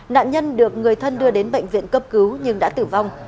nạn nhân được người thân đưa đến bệnh viện cấp cứu nhưng đã tử vong